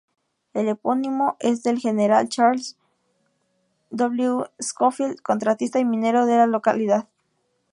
El epónimo es del General Charles W. Scofield, contratista y minero de la localidad.